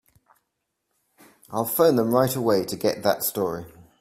I'll phone them right away to get that story.